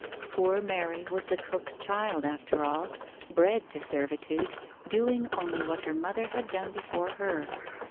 Poor Mary was the cook's child after all, bred to servitude, doing only what her mother had done before her.